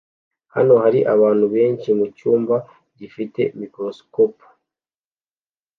Hano hari abantu benshi mucyumba gifite microscopes